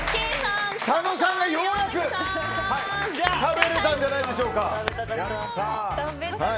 佐野さんがようやく食べれたんじゃないでしょうか。